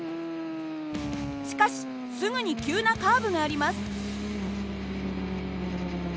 しかしすぐに急なカーブがあります。